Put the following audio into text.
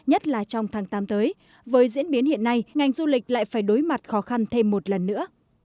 nhất là trong tháng tám tới với diễn biến hiện nay ngành du lịch lại phải đối mặt khó khăn thêm một lần nữa